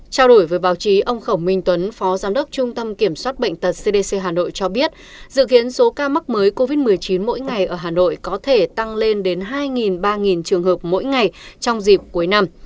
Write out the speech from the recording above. trao đổi với báo chí ông khổng minh tuấn phó giám đốc trung tâm kiểm soát bệnh tật cdc hà nội cho biết dự kiến số ca mắc mới covid một mươi chín mỗi ngày ở hà nội có thể tăng lên đến hai ba trường hợp mỗi ngày trong dịp cuối năm